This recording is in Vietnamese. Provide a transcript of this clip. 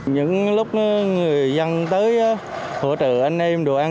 những lúc người dân tới hỗ trợ anh em đồ ăn